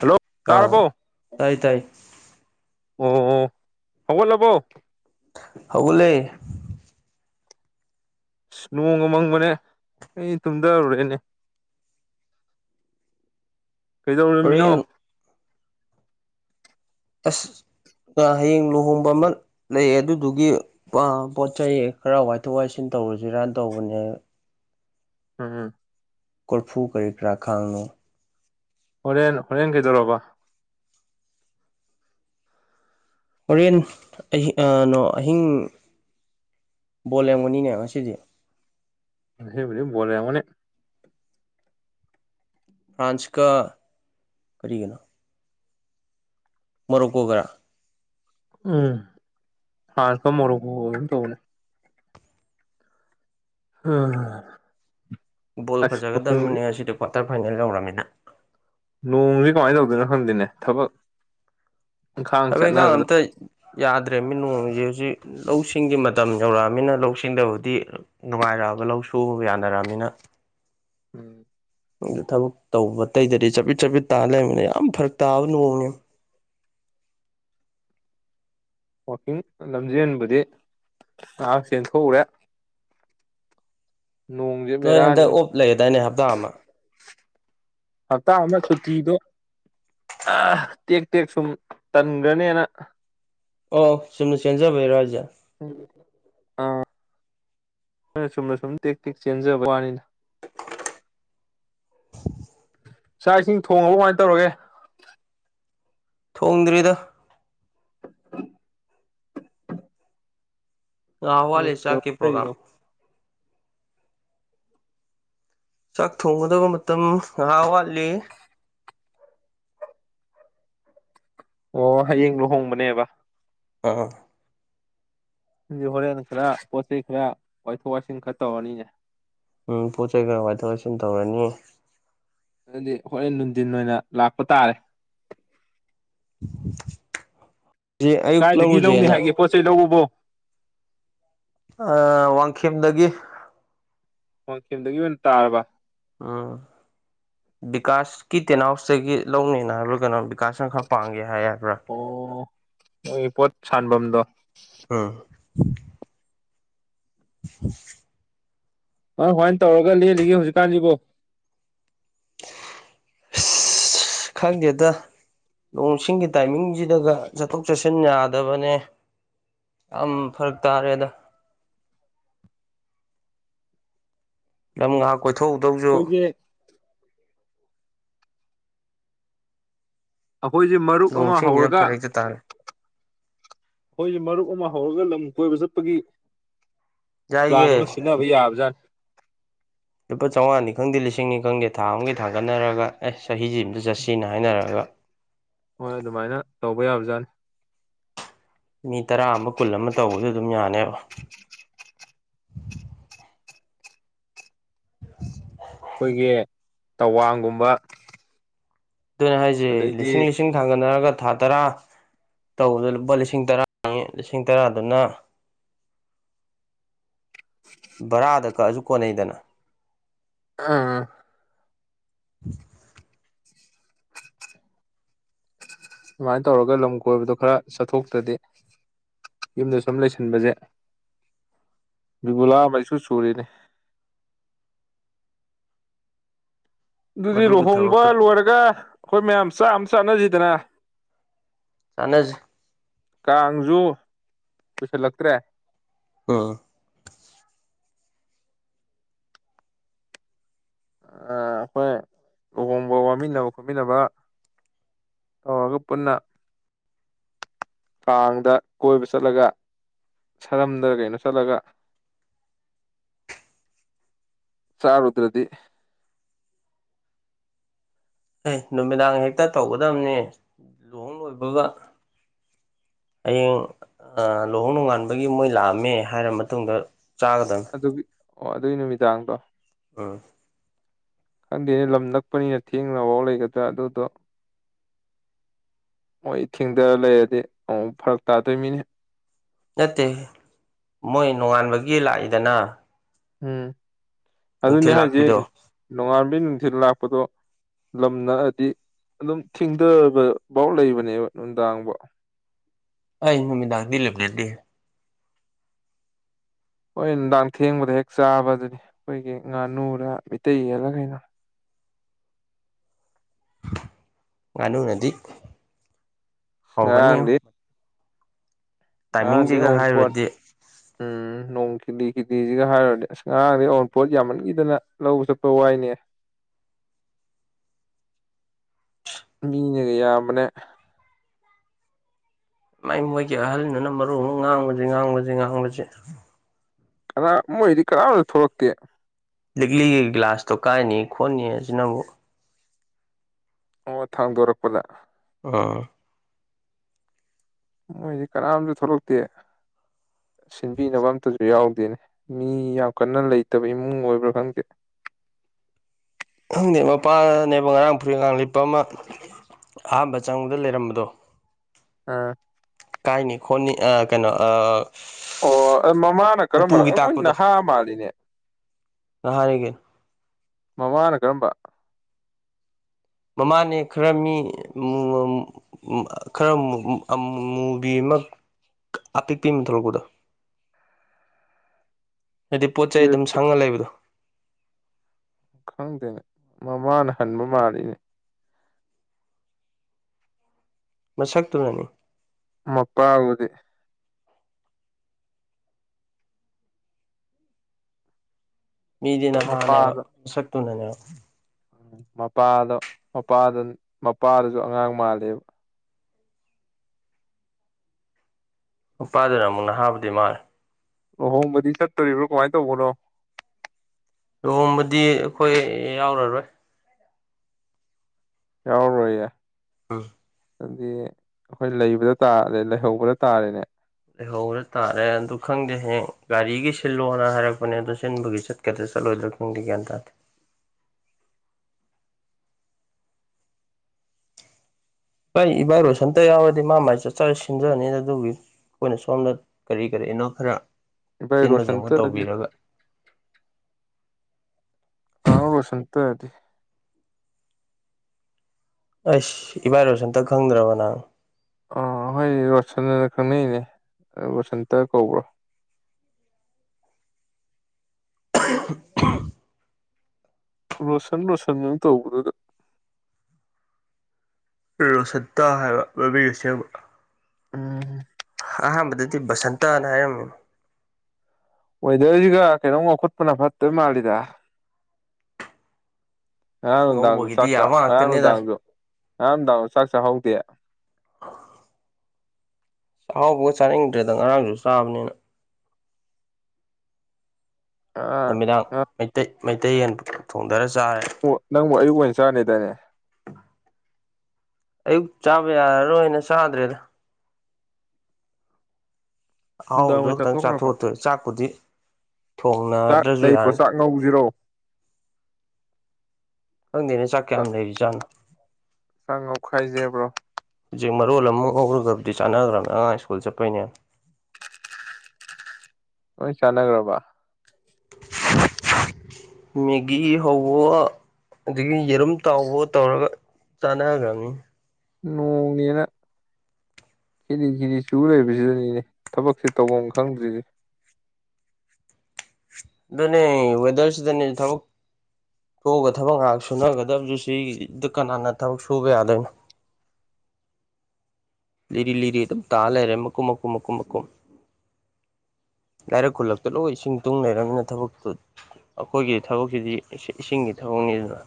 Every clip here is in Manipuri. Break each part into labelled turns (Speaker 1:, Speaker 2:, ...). Speaker 1: ꯍꯜꯂꯣ
Speaker 2: ꯑꯥ
Speaker 1: ꯀꯥꯔꯕꯣ
Speaker 2: ꯇꯥꯏ ꯇꯥꯏ
Speaker 1: ꯑꯣ ꯑꯣ ꯍꯕꯣ ꯂꯕꯣ
Speaker 2: ꯍꯧꯒ ꯂꯩ
Speaker 1: ꯑ ꯅꯣꯡꯒ ꯃꯪꯕꯅꯦ ꯑꯩ ꯇꯨꯝꯊꯔꯨꯔꯦꯅꯦ
Speaker 2: [inaudible]
Speaker 1: ꯀꯩꯗꯧꯝꯃꯤꯅꯣ
Speaker 2: ꯍꯣꯔꯦꯟ ꯑꯁ ꯍꯌꯦꯡ ꯂꯨꯍꯣꯡꯕ ꯑꯃ ꯂꯩ ꯑꯗꯨꯗꯨꯒꯤ ꯄꯣꯠ ꯆꯩ ꯈꯔ ꯋꯥꯏꯊꯣꯛ ꯋꯥꯏꯁꯤꯟ ꯇꯧꯔꯁꯤꯔꯥꯟ ꯇꯧꯕꯅꯦ
Speaker 1: ꯎꯝ
Speaker 2: ꯀꯣꯔꯐꯨ ꯀꯔꯤ ꯀꯔꯥ ꯈꯥꯡꯅꯨ
Speaker 1: ꯍꯣꯔꯦꯟ ꯍꯣꯔꯦꯟ ꯀꯩꯗꯧꯔꯕ
Speaker 2: ꯍꯣꯔꯦꯟ ꯅ ꯑꯍꯤꯡ ꯕꯣꯜ ꯂꯒꯅꯤꯅꯦ ꯉꯁꯤꯗꯤ
Speaker 1: ꯍꯦꯕꯨ ꯣꯔꯦ ꯃ
Speaker 2: ꯐ꯭ꯔꯥꯟꯁꯀ ꯀꯔꯤꯒꯤꯅꯣ ꯃꯔꯣꯛꯀꯣꯒꯔ
Speaker 1: ꯎꯝ ꯍ ꯀ ꯃꯔ ꯑꯗꯨ ꯇꯧꯕꯅꯦ ꯑ
Speaker 2: ꯕꯣꯜ ꯐꯖꯒꯗꯕꯅꯤꯅꯦ ꯑꯁꯤꯗꯤ ꯀ꯭ꯋꯥꯇꯔ ꯐꯥꯏꯅꯦꯜ ꯌꯧꯔꯕꯃꯤꯅ
Speaker 1: ꯅꯣꯡꯁꯤ ꯀꯃꯥꯏꯅ ꯇꯧꯗꯣꯏꯅꯣ ꯈꯪꯗꯦꯅꯦ ꯊꯕꯛ
Speaker 2: ꯊꯕꯛ ꯏꯪꯈꯥꯡ ꯑꯝꯇ ꯌꯥꯗ꯭ꯔꯦꯃꯤ ꯅꯣꯡꯁꯤ ꯍꯧꯖꯤꯛ ꯂꯧ ꯁꯤꯡꯒꯤ ꯃꯇꯝ ꯌꯧꯔꯛꯑꯕꯃꯤꯅ ꯂꯧ ꯁꯤꯡꯗꯕꯨꯗꯤ ꯅꯨꯡꯉꯥꯏꯔꯛꯑꯕ ꯂꯧ ꯁꯨꯕꯕ ꯌꯥꯅꯔꯛꯑꯕꯅꯤꯅ
Speaker 1: ꯎꯝ
Speaker 2: ꯑꯗꯨ ꯊꯕꯛ ꯇꯧꯕꯇꯩꯗꯗꯤ ꯆꯞꯄꯤꯠ ꯆꯞꯄꯤꯠ ꯇꯥ ꯂꯩꯕꯃꯤꯅꯤꯅ ꯌꯥꯝ ꯐꯔꯛ ꯇꯥꯕ ꯅꯣꯡꯅꯤ
Speaker 1: ꯋꯥꯋꯥꯛꯀꯤꯡ ꯂꯝꯖꯦꯟꯕꯨꯗꯤ ꯉꯥꯏꯍꯥꯛ ꯆꯦꯟꯊꯣꯛꯎꯔꯦ ꯅꯣꯡꯖꯨ
Speaker 2: ꯅꯣꯏ ꯍꯟꯗꯛ ꯑꯣꯞ ꯂꯩ ꯑꯗꯥꯏꯅꯦ ꯍꯞꯇꯥ ꯑꯃ
Speaker 1: ꯍꯞꯇꯥ ꯑꯃ ꯁꯨꯇꯤꯗꯣ ꯇꯦꯛ ꯇꯦꯛ ꯁꯨꯝ ꯇꯟꯈ꯭ꯔꯅꯦꯅ
Speaker 2: ꯑꯣ ꯆꯨꯝꯅ ꯆꯦꯟꯖꯕꯩꯔꯣꯖꯦ
Speaker 1: ꯑ ꯅꯣꯏꯅ ꯁꯨꯝꯅ ꯁꯨꯝ ꯇꯦꯛ ꯇꯦꯛ ꯆꯦꯟꯖꯕ ꯋꯥꯅꯤꯅ ꯆꯥꯛ ꯏꯁꯤꯡ ꯊꯣꯡꯉꯒ ꯀꯃꯥꯏꯅ ꯇꯧꯔꯒꯦ
Speaker 2: ꯊꯣꯡꯗ꯭ꯔꯤꯗ ꯉꯋꯥ ꯂꯤꯁꯥꯀꯤ ꯄ꯭ꯔꯣꯒꯒꯥꯝ
Speaker 1: ꯂꯩꯔꯤꯅꯣ
Speaker 2: ꯆꯥꯛ ꯊꯣꯡꯒꯗꯕ ꯃꯇꯝ ꯉꯍꯥ ꯋꯥꯠꯂꯤ
Speaker 1: ꯑꯣ ꯍꯌꯦꯡ ꯂꯨꯍꯣꯡꯕꯅꯦꯕ
Speaker 2: ꯎꯝ
Speaker 1: ꯍꯣꯔꯦꯟ ꯈꯔ ꯄꯣꯠ ꯆꯩꯩ ꯈꯔ ꯋꯥꯏꯊꯣꯛ ꯋꯥꯏꯁꯤꯟ ꯈꯔ ꯇꯧꯔꯅꯤꯅꯦ
Speaker 2: ꯎꯝ ꯄꯣꯠ ꯆꯩ ꯈꯔ ꯋꯥꯏꯊꯣꯛ ꯋꯥꯏꯁꯤꯟ ꯇꯧꯔꯅꯤ
Speaker 1: ꯑꯗꯨꯗꯤ ꯍꯣꯔꯦꯟ ꯅꯨꯡꯊꯤꯟ ꯑꯣꯏꯅ ꯂꯥꯛꯄ ꯇꯥꯔꯦ
Speaker 2: [unintelligible] ꯁꯤ ꯑꯌꯨꯛ
Speaker 1: ꯀꯥꯏꯗꯒꯤ ꯂꯧꯅꯤ
Speaker 2: ꯂꯧꯔꯨꯁꯦꯅ
Speaker 1: ꯍꯥꯏꯒꯦ ꯄꯣꯠ ꯆꯩ ꯂꯧꯕꯕꯣ
Speaker 2: ꯑ ꯋꯥꯡꯈꯦꯝꯗꯒꯤ
Speaker 1: ꯋꯥꯡꯈꯦꯝꯗꯒꯤ ꯑꯣꯏꯅ ꯇꯥꯔꯕ
Speaker 2: ꯎꯝ ꯕꯤꯀꯥꯁꯀꯤ ꯇꯦꯟꯅꯥꯍꯎꯁꯇꯒꯤ ꯂꯧꯅꯦꯩꯅ ꯍꯥꯏꯕ꯭ꯔ ꯀꯩꯅꯣ ꯕꯤꯀꯥꯁꯅ ꯈꯔ ꯄꯥꯡꯒꯦ ꯍꯥꯏ ꯍꯥꯏꯕ꯭ꯔꯥ
Speaker 1: ꯑꯣ ꯅꯣꯏ ꯄꯣꯠ ꯁꯥꯟꯐꯝꯗꯣ
Speaker 2: ꯎꯝ [inaudible]
Speaker 1: ꯑꯣꯏ ꯁꯨꯃꯥꯏꯅ ꯇꯧꯔꯒ ꯂꯦꯜꯂꯤꯒꯦ ꯍꯧꯖꯤꯛꯀꯥꯟꯁꯤꯕꯣ
Speaker 2: ꯑ ꯈꯪꯗꯦꯗ ꯅꯣꯡꯁꯤꯡꯒꯤꯤꯡ ꯇꯥꯏꯃꯤꯡꯁꯤꯗꯒ ꯆꯠꯊꯣꯛ ꯆꯠꯁꯤ ꯁꯤꯟ ꯌꯥꯗꯕꯅꯦ ꯌꯥꯝ ꯐꯔꯛ ꯇꯥꯔꯦꯗ ꯂꯝ ꯉꯥꯏꯍꯥꯛ ꯀꯣꯏꯊꯣꯛꯎꯗꯧꯁꯨ
Speaker 1: ꯑꯩꯈꯣꯏꯁꯦ ꯑꯩꯈꯣꯏꯁꯦ ꯃꯔꯨꯞ
Speaker 2: ꯅꯣꯡ
Speaker 1: ꯑꯃ
Speaker 2: ꯁꯤꯡꯁꯤꯅ
Speaker 1: ꯍꯧꯔꯒ
Speaker 2: ꯐꯔꯛ ꯍꯦꯛꯇ ꯇꯥꯔꯦ
Speaker 1: ꯑꯩꯈꯣꯏꯁ ꯃꯔꯨꯞ ꯑꯃ ꯍꯧꯔꯒ ꯂꯝ ꯀꯣꯏꯕ ꯆꯠꯄꯒꯤ ꯄ꯭ꯂꯥꯟ ꯑꯃ
Speaker 2: ꯌꯥꯏꯌꯦ
Speaker 1: ꯁꯤꯅꯤ ꯌꯥꯕꯖꯥꯠꯅꯤ
Speaker 2: ꯂꯨꯄꯥ ꯆꯥꯝꯃꯉꯥꯅꯤ ꯈꯪꯗꯦ ꯂꯤꯁꯤꯡꯅꯤ ꯈꯪꯗꯦ ꯊꯥ ꯑꯃꯒꯤ ꯊꯥꯡꯒꯠꯅꯔꯒ ꯑꯦ ꯆꯍꯤꯁꯤ ꯑꯇ ꯆꯠꯁꯤꯅ ꯍꯥꯏꯅꯔꯒ
Speaker 1: ꯍꯣꯏ ꯑꯗꯨꯃꯥꯏꯅ ꯇꯧꯕ ꯌꯥꯕꯖꯥꯠꯅꯤ
Speaker 2: ꯃꯤ ꯇꯔꯥ ꯑꯃ ꯀꯨꯜ ꯑꯃ ꯇꯧꯕꯗꯨ ꯑꯗꯨꯝ ꯌꯥꯅꯦꯕ
Speaker 1: ꯑꯩꯈꯣꯏꯒꯤ ꯇꯧꯋꯥꯡꯒꯨꯝꯕ
Speaker 2: ꯑꯗꯨꯅ ꯍꯥꯏꯁꯦ ꯂꯤꯁꯤꯡ ꯂꯤꯁꯤꯡ ꯊꯥꯡꯒꯠꯅꯔꯒ ꯊꯥ ꯇꯔꯥ ꯇꯧꯕꯗ ꯂꯨꯄꯥ ꯂꯤꯁꯤꯡ ꯇꯔꯥ ꯂꯤꯁꯤꯡ ꯇꯔꯥꯗꯨꯅ ꯕꯔꯥꯗ ꯀꯛꯑꯁꯨ ꯀꯣꯟꯅꯩꯗꯅ
Speaker 1: ꯑ ꯁꯨꯃꯥꯏꯅ ꯇꯧꯔꯒ ꯂꯝ ꯀꯣꯏꯕꯗꯣ ꯈꯔ ꯆꯠꯊꯣꯛꯇ꯭ꯔꯗꯤ ꯌꯨꯝꯗ ꯁꯨꯝ ꯂꯩꯁꯤꯟꯕꯁꯦ ꯕꯤꯒꯨꯂꯥ ꯃꯩꯁꯨ ꯆꯨꯔꯤꯅꯦ ꯑꯗꯨꯗꯤ
Speaker 2: ꯃꯗꯨꯒꯤ
Speaker 1: ꯂꯨꯍꯣꯡꯕ
Speaker 2: ꯊꯕꯛꯇꯨ
Speaker 1: ꯂꯣꯏꯔꯒ ꯑꯩꯈꯣꯏ ꯃꯌꯥꯝ ꯆꯥ ꯑꯃ ꯆꯥꯅꯁꯤꯗꯅ
Speaker 2: ꯆꯥꯟꯅꯖꯤ
Speaker 1: ꯀꯥꯡꯖꯨ ꯄꯨꯁꯜꯂꯛꯇ꯭ꯔꯦ
Speaker 2: ꯎꯝ
Speaker 1: ꯑꯩꯈꯣꯏ ꯂꯨꯍꯣꯡꯕ ꯋꯥꯃꯤꯟꯅꯕ ꯈꯣꯠꯃꯤꯟꯅꯕ ꯇꯧꯔꯒ ꯄꯨꯟꯅ ꯀꯥꯡꯗ ꯀꯣꯏꯕ ꯆꯠꯂꯒ ꯁꯔꯝꯗ ꯀꯩꯅꯣ ꯆꯠꯂꯒ ꯆꯔꯨꯗ꯭ꯔꯗꯤ
Speaker 2: ꯑꯦ ꯅꯨꯃꯤꯗꯥꯡ ꯍꯦꯛꯇ ꯇꯧꯒꯗꯕꯅꯦ ꯂꯨꯍꯣꯡ ꯂꯣꯏꯕꯒ ꯍꯌꯦꯡ ꯑ ꯂꯨꯍꯣꯡ ꯅꯣꯡꯉꯥꯟꯕꯒꯤ ꯃꯣꯏ ꯂꯥꯛꯑꯝꯃꯦ ꯍꯥꯏꯔ ꯃꯇꯨꯡꯗ ꯆꯥꯒꯗꯕꯅꯤ
Speaker 1: ꯑꯗꯨꯒꯤ ꯑꯣ ꯑꯗꯨꯒꯤ ꯅꯨꯃꯤꯗꯥꯡꯗꯣ
Speaker 2: ꯎꯝ
Speaker 1: ꯈꯪꯗꯦꯅꯦ ꯂꯝ ꯅꯛꯄꯅꯤꯅ ꯊꯦꯡꯅꯐꯥꯎ ꯂꯩꯒꯗ꯭ꯔꯥ ꯑꯗꯨꯗꯣ ꯍꯣꯏ ꯊꯤꯡꯗ ꯂꯩꯔꯗꯤ ꯑꯃꯨꯛ ꯐꯔꯛ ꯇꯥꯗꯣꯏ ꯃꯤꯅꯤ
Speaker 2: ꯅꯠꯇꯦ ꯃꯣꯏ ꯅꯣꯡꯉꯥꯟꯕꯒꯤ ꯂꯥꯛꯏꯗꯅ
Speaker 1: ꯎꯝ ꯑꯗꯨꯅꯤ
Speaker 2: ꯅꯨꯡꯊꯤꯜ
Speaker 1: ꯍꯥꯏꯁꯦ
Speaker 2: ꯂꯥꯛꯄꯤꯗꯣ
Speaker 1: ꯅꯣꯡꯉꯥꯟꯕꯩ ꯅꯨꯡꯊꯤꯜ ꯂꯥꯛꯄꯗꯣ ꯂꯝ ꯅꯛꯑꯗꯤ ꯑꯗꯨꯝ ꯊꯤꯡꯗꯕꯐꯥꯎ ꯂꯩꯕꯅꯦꯕ ꯅꯨꯡꯗꯥꯡꯕꯧ
Speaker 2: ꯑꯩ ꯅꯨꯃꯤꯗꯥꯥꯛꯗꯤ ꯂꯞꯅꯗꯦ
Speaker 1: ꯍꯣꯏ ꯅꯨꯡꯗꯥꯡ ꯊꯦꯡꯕꯗ ꯍꯦꯛ ꯆꯥꯕ ꯑꯗꯨꯅꯤ ꯑꯩꯈꯣꯏꯒꯤ ꯉꯥꯅꯨꯔ ꯃꯤꯇꯩꯩ ꯌꯦꯜꯂ ꯀꯩꯅꯣ
Speaker 2: ꯉꯥꯅꯨꯅꯗꯤ ꯍꯧꯒꯅꯤ
Speaker 1: ꯉꯔꯥꯡꯗꯤ ꯉꯔꯥꯡꯗꯤ
Speaker 2: ꯇꯥꯏꯃꯤꯡꯁꯤꯒ
Speaker 1: ꯑꯋꯨꯟꯄꯣꯠ
Speaker 2: ꯍꯥꯏꯔꯨꯔꯗꯤ
Speaker 1: ꯎꯝ ꯑꯣꯡ ꯀꯤꯗꯤ ꯀꯤꯗꯤꯁꯤꯒ ꯍꯥꯏꯔꯨꯔꯗꯤ ꯑꯁ ꯉꯔꯥꯡꯗꯤ ꯑꯎꯟ ꯄꯣꯠ ꯌꯥꯝꯃꯟꯈꯤꯗꯅ ꯂꯧꯕ ꯆꯠꯄꯗꯣ ꯋꯥꯏꯅꯦ ꯃꯤꯅꯒ ꯌꯥꯝꯕꯅꯦ
Speaker 2: ꯃꯥꯏ ꯃꯣꯏꯒꯤ ꯑꯍꯜꯗꯨꯅ ꯃꯔꯨ ꯑꯃ ꯉꯥꯡꯕꯖꯦ ꯉꯥꯡꯕꯖꯦ ꯉꯥꯡꯕꯖꯦ
Speaker 1: ꯑꯉꯥꯡ ꯃꯣꯏꯗꯤ ꯀꯅꯥꯝꯗ ꯊꯣꯛꯂꯛꯇꯦ
Speaker 2: ꯂꯤꯛꯂꯤꯒꯤ ꯒꯤ꯭ꯂꯥꯁꯇꯣ ꯀꯥꯏꯅꯤ ꯈꯣꯠꯅꯤ ꯁꯤꯅꯕꯨ
Speaker 1: ꯑꯣ ꯊꯥꯡꯗꯣꯔꯛꯄꯗ
Speaker 2: ꯎꯝ
Speaker 1: ꯃꯣꯏꯗꯤ ꯀꯅꯥꯝꯁꯨ ꯊꯣꯛꯂꯛꯇꯦ ꯁꯤꯟꯕꯤꯅꯕ ꯑꯝꯇꯁꯨ ꯌꯥꯎꯗꯦꯅꯦ ꯃꯤ ꯌꯥꯝ ꯀꯟꯅ ꯂꯩꯇꯕ ꯏꯃꯨꯡ ꯑꯣꯏꯕ꯭ꯔꯥ ꯈꯪꯗꯦ
Speaker 2: ꯅꯪꯗ ꯃꯄꯥꯅꯦꯕ ꯉꯔꯥꯡ ꯐꯨꯔꯤꯠ ꯑꯉꯥꯡ ꯂꯤꯠꯄ ꯑꯃ ꯑꯍꯝꯕ ꯆꯪꯕꯗ ꯂꯩꯔꯝꯕꯗꯣ
Speaker 1: ꯑꯥ
Speaker 2: ꯀꯥꯏꯅꯤ ꯈꯣꯠꯅꯤ ꯑ ꯀꯩꯅꯣ ꯑ
Speaker 1: ꯑꯣ ꯃꯃꯥꯅ ꯀꯔꯝꯕꯅꯣ ꯃꯣꯏ
Speaker 2: ꯇꯥꯛꯄꯗꯣ
Speaker 1: ꯅꯍꯥ ꯃꯥꯜꯂꯤꯅꯦ
Speaker 2: ꯅꯍꯥꯅꯤ ꯀꯩꯅꯣ
Speaker 1: ꯃꯃꯥꯅ ꯀꯔꯝꯕ
Speaker 2: ꯃꯃꯥꯅꯦ ꯈꯔ ꯃꯤ ꯈꯔ ꯑꯃꯨꯕꯤ ꯑꯃ ꯑꯄꯤꯛꯄꯤ ꯑꯃ ꯊꯣꯛꯂꯛꯄꯗꯣ ꯍꯥꯏꯗꯤ ꯄꯣꯠ ꯆꯩ ꯑꯗꯨꯝ ꯁꯪꯉ ꯂꯩꯕꯗꯣ
Speaker 1: ꯈꯪꯗꯦꯅꯦ ꯃꯃꯥꯅ ꯍꯟꯕ ꯃꯥꯜꯂꯤꯅꯦ
Speaker 2: ꯃꯁꯛꯇꯨꯅꯅꯤ
Speaker 1: ꯃꯄꯥ ꯕꯨꯗꯤ
Speaker 2: ꯃꯤꯗꯤ ꯅꯍꯥꯅꯦꯕ
Speaker 1: ꯃꯄꯥꯗꯣ
Speaker 2: ꯁꯛꯇꯨꯅꯅꯦꯕ
Speaker 1: ꯃꯄꯥꯗꯣ ꯃꯄꯥꯗꯣ ꯃꯄꯥꯗꯨꯁꯨ ꯑꯉꯥꯡ ꯃꯥꯜꯂꯦꯕ
Speaker 2: ꯅꯨꯄꯥꯗꯨꯅ ꯑꯃꯨꯛ ꯅꯍꯥꯕꯨꯗꯤ ꯃꯥꯜꯂꯦ
Speaker 1: ꯂꯨꯍꯣꯡꯕꯗꯤ ꯆꯠꯇꯣꯔꯤꯕ꯭ꯔꯣ ꯀꯃꯥꯏ ꯇꯧꯕꯅꯣ
Speaker 2: ꯂꯨꯍꯣꯡꯕꯗꯤ ꯑꯩꯈꯣꯏ ꯌꯥꯎꯔꯔꯣꯏ
Speaker 1: ꯌꯥꯎꯔꯣꯏꯌꯦ
Speaker 2: ꯑ
Speaker 1: ꯑꯗꯨꯗꯤ ꯑꯩꯈꯣꯏ ꯂꯩꯕꯗ ꯇꯥꯔꯦ ꯂꯩꯍꯧꯕꯗ ꯇꯥꯔꯦꯅꯦ
Speaker 2: ꯂꯩꯍꯧꯕꯗ ꯇꯥꯔꯦ ꯑꯗꯨ ꯈꯪꯗꯦ ꯍꯌꯦꯡ ꯒꯥꯔꯤꯒꯤ ꯁꯤꯜꯂꯣꯅ ꯍꯥꯏꯔꯛꯄꯅꯦ ꯑꯗꯨ ꯁꯤꯟꯕꯒꯤ ꯆ ꯀꯗꯔ ꯆꯠꯂꯣꯏꯗꯔ ꯈꯪꯗꯦ ꯒ꯭ꯌꯥꯟ ꯇꯥꯗꯦ ꯥꯏꯕꯥꯏ ꯏꯕꯥꯏꯔꯣꯁꯟꯇ ꯌꯥꯎꯔꯗꯤ ꯃꯥ ꯃꯥꯏ ꯆꯠꯆꯔ ꯁꯤꯟꯖꯔꯅꯤꯅ ꯑꯗꯨꯒꯤ ꯑꯩꯈꯣꯏꯅ ꯁꯣꯝꯗ ꯀꯔꯤ ꯀꯔꯤꯅꯣ ꯈꯔ
Speaker 1: ꯏꯚꯥꯏ
Speaker 2: ꯆꯦꯟꯕ
Speaker 1: ꯔꯣꯁꯟ
Speaker 2: ꯆꯣꯡꯕ
Speaker 1: ꯇꯔꯗꯤ
Speaker 2: ꯇꯧꯕꯤꯔꯒ
Speaker 1: ꯀꯅꯅꯣ ꯔꯣꯁꯟꯇꯥꯗꯤ
Speaker 2: ꯑꯩꯁ ꯏꯕꯥꯏ ꯔꯣꯁꯟꯇꯥ ꯈꯪꯗ꯭ꯔꯕ ꯅꯪ
Speaker 1: ꯑꯥ ꯑꯈꯣꯏ ꯔꯣꯁꯟ ꯑꯅ ꯈꯪꯅꯩꯅꯦ ꯔꯣꯁꯟꯇ ꯀꯧꯕ꯭ꯔꯣ ꯔꯣꯁꯟ ꯔꯣꯁꯟ ꯑꯅ ꯇꯧꯕꯗꯨꯗ
Speaker 2: ꯔꯣꯁꯟꯇꯥ ꯍꯥꯏꯕ ꯃꯃꯤꯡ ꯑꯁꯦꯡꯕ
Speaker 1: ꯎꯝ
Speaker 2: ꯑꯍꯥꯟ ꯕꯗꯗꯤ ꯕꯁꯟꯇꯥ ꯅꯥꯏ
Speaker 1: ꯋꯦꯗꯔꯁꯤꯒ ꯀꯩꯅꯣꯝ ꯉꯈꯠꯄꯅ ꯐꯠꯇꯣꯏ ꯃꯥꯜꯂꯤꯗ ꯉꯔꯥꯡ ꯅꯨꯡꯗꯥꯡꯁꯨ ꯆꯥꯛ
Speaker 2: ꯉꯧꯕꯒꯤꯗꯤ
Speaker 1: ꯆ
Speaker 2: ꯌꯥꯕ
Speaker 1: ꯑ ꯉꯔꯥꯡ
Speaker 2: ꯉꯥꯛꯇꯅꯤꯗ
Speaker 1: ꯅꯨꯡꯗꯥꯡꯁꯨ ꯉꯔꯥꯡ ꯅꯨꯡꯗꯥꯡꯁꯨ ꯆꯥꯛ ꯆꯥꯍꯧꯗꯦ
Speaker 2: ꯆꯥꯛꯍꯥꯎꯕꯒ ꯆꯥꯅꯤꯡꯗ꯭ꯔꯗ ꯉꯔꯥꯡꯁꯨ ꯆꯥꯕꯅꯤꯅ
Speaker 1: ꯑꯥ
Speaker 2: ꯅꯨꯃꯤꯗꯥꯡ ꯃꯩꯇꯩ ꯃꯩꯇꯩ ꯌꯦꯟ ꯊꯣꯡꯊꯔ ꯆꯥꯔꯦ
Speaker 1: ꯑꯣ ꯅꯪꯕꯨ ꯑꯌꯨꯛ ꯑꯣꯏꯅ ꯆꯥꯔꯅꯤꯗꯥꯏꯅꯦ
Speaker 2: ꯑꯌꯨꯛ ꯆꯥꯕ ꯌꯥꯔꯔꯣꯏꯅ ꯆꯥꯗ꯭ꯔꯦꯗ
Speaker 1: ꯅꯨꯡꯗꯥꯡ
Speaker 2: ꯑꯍꯥꯎꯕꯗꯨ
Speaker 1: ꯑꯣꯏꯅ
Speaker 2: ꯈꯇꯪ
Speaker 1: ꯆꯥꯊꯣꯛꯈ꯭ꯔꯕ
Speaker 2: ꯆꯥꯊꯣꯛꯑꯛꯇꯣꯏ ꯆꯥꯛꯄꯨꯗꯤ
Speaker 1: ꯆꯥꯛ
Speaker 2: ꯊꯣꯡꯅꯗ꯭ꯔꯁꯨ
Speaker 1: ꯂꯩ ꯄꯣ
Speaker 2: ꯌꯥꯔꯅꯤ
Speaker 1: ꯆꯥꯛ ꯉꯧꯁꯤꯔꯣ
Speaker 2: ꯈꯪꯗꯦꯅꯦ ꯆꯥꯛ ꯀꯌꯥꯝ ꯂꯩꯔꯤꯖꯥꯠꯅꯣ
Speaker 1: ꯆꯥꯛ ꯉꯧꯈꯥꯏꯖꯦꯕ꯭ꯔꯣ
Speaker 2: ꯍꯧꯖꯤꯛ ꯃꯔꯣꯜ ꯑꯃ ꯍꯧꯈ꯭ꯔꯕꯗꯤ ꯆꯥꯟꯅꯈ꯭ꯔꯕꯅꯦ ꯑꯉꯥꯡ ꯁ꯭ꯀꯨꯜ ꯆꯠꯄꯩꯅꯦ
Speaker 1: ꯍꯣꯏ ꯆꯥꯟꯅꯈ꯭ꯔꯕ
Speaker 2: ꯃꯤꯒꯤ ꯍꯧꯕꯑꫭ ꯑꯗꯒꯤ ꯌꯦꯔꯨꯝ ꯇꯥꯎꯕ ꯇꯧꯔꯒ ꯆꯥꯟꯅꯈ꯭ꯔꯕꯅꯤ
Speaker 1: ꯅꯣꯡꯅꯦꯅ ꯍꯤꯅꯤ ꯍꯤꯅꯤ ꯆꯨ ꯂꯩꯕꯁꯤꯗꯅꯤꯅꯦ ꯊꯕꯛꯁꯦ ꯇꯧꯐꯝ ꯈꯪꯗ꯭ꯔꯤꯁ
Speaker 2: ꯑꯗꯨꯅꯤ ꯋꯦꯗꯔꯁꯗꯅꯤ ꯊꯕꯛ ꯊꯣꯛꯑꯒ ꯊꯕꯛ ꯉꯥꯏꯍꯥꯛ ꯁꯨꯅꯒꯗꯕꯗꯨ ꯁꯤꯗ ꯀꯅꯥꯅ ꯊꯕꯛ ꯁꯨꯕ ꯌꯥꯗꯣꯏꯅꯣ [unintelligible] [inaudible] ꯂꯤꯔꯤ ꯂꯤꯔꯤ ꯑꯗꯨꯝ ꯇꯥ ꯂꯩꯔꯦ ꯃꯀꯨꯝ ꯃꯀꯨꯝ ꯃꯀꯨꯝ ꯃꯀꯨꯝ ꯂꯥꯏꯔꯛ ꯈꯨꯜꯂꯛꯇ ꯂꯣꯏ ꯏꯁꯤꯡ ꯇꯨꯡꯅꯔ ꯑꯗꯨꯝꯅ ꯊꯕꯛꯇꯨ ꯑꯩꯈꯣꯏꯒꯤ ꯊꯕꯛꯁꯤꯗꯤ ꯏꯁꯤꯡꯒꯤ ꯊꯕꯛꯅꯤꯗꯅ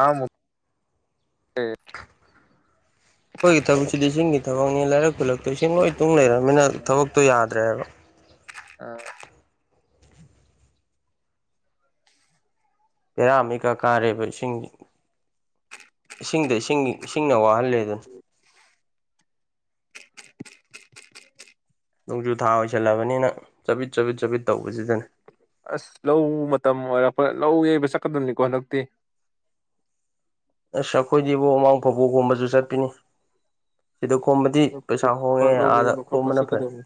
Speaker 1: ꯑꯃ [inaudible]
Speaker 2: ꯑꯩꯈꫭꯏꯒꯤ ꯊꯕꯛ ꯁꯤꯡꯒꯤ ꯏꯁꯤꯡꯒꯤ ꯊꯕꯛꯅꯤ ꯂꯔꯛꯂꯛ ꯇꯨꯏꯁꯟ ꯂꯣꯏ ꯇꯨꯡ ꯂꯩꯔꯕꯃꯤꯅ ꯊꯕꯛꯇꯣ ꯌꯥꯗ꯭ꯔꯦꯕ
Speaker 1: ꯑ
Speaker 2: ꯄꯦꯔꯥ ꯃꯤꯀꯥ ꯀꯥꯔꯦꯕ ꯏꯁꯤꯡ ꯏꯁꯤꯡꯗ ꯏꯁꯤꯡ ꯏꯁꯤꯡꯅ ꯋꯥꯍꯜꯂꯦ ꯑꯗꯨꯅ ꯅꯣꯡꯖꯨ ꯊꯥ ꯑꯣꯏꯁꯜꯂꯕꯅꯤꯅ ꯆꯕꯤꯠ ꯆꯕꯤꯠ ꯆꯥꯄꯤꯠ ꯇꯧꯕꯁꯤꯗꯅꯦ
Speaker 1: ꯑꯁ ꯂꯧ ꯃꯇꯝ ꯑꯣꯏꯔꯛꯄ ꯂꯧ ꯌꯩꯕ ꯆꯠꯀꯗꯕꯅꯤꯀꯣ ꯍꯟꯗꯛꯇꯤ
Speaker 2: ꯑꯁ ꯑꯩꯈꯣꯏꯗꯤ ꯏꯕꯨ ꯃꯃꯥꯡ ꯐꯕꯣꯛꯒꯨꯝꯕꯁꯨ ꯆꯠꯄꯤꯅꯤ ꯁꯤꯗ ꯈꯣꯝꯕꯗꯤ ꯄꯩꯁꯥ ꯍꯣꯡꯉꯦ
Speaker 1: ꯂꯧ
Speaker 2: ꯑꯥꯗ
Speaker 1: ꯌꯩꯕ ꯈꯣꯠꯄ
Speaker 2: ꯈꯣꯝꯕꯅ ꯐꯩ
Speaker 1: ꯆꯠꯀꯗꯕꯅꯤ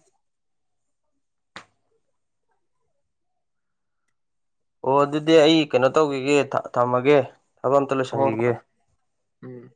Speaker 2: ꯑꯣ ꯑꯗꯨꯗꯤ ꯑꯩ ꯀꯩꯅꯣ ꯇꯧꯈꯤꯒꯦ ꯊꯝꯃꯒꯦ ꯊꯕꯛ ꯑꯝꯇ
Speaker 1: ꯍꯣꯏ
Speaker 2: ꯂꯣꯏꯁꯟꯈꯤꯒꯦ
Speaker 1: ꯍꯣꯏ ꯎꯝ